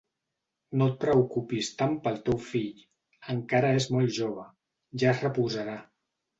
No et preocupis tant pel teu fill: encara és molt jove, ja es reposarà.